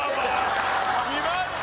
きました！